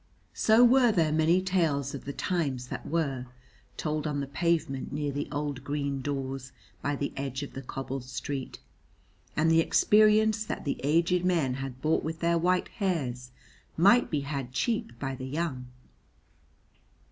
So were there many tales of the times that were, told on the pavement near the old green doors by the edge of the cobbled street, and the experience that the aged men had bought with their white hairs might be had cheap by the young.